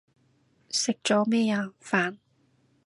食咗咩啊？飯